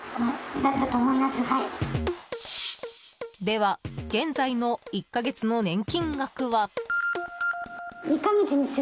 では、現在の１か月の年金額は。